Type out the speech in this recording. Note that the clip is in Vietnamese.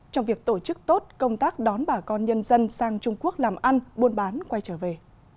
trong việc tổ chức tốt công tác đón bà con nhân dân sang trung quốc làm ăn buôn bán quay trở về